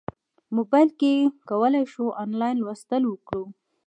موبایل کې کولی شو انلاین لوستل وکړو.